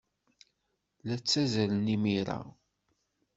La ttazzalen imir-a.